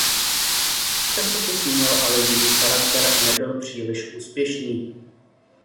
Časopis měl ale jiný charakter a nebyl příliš úspěšný.